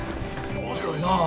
面白いなあ。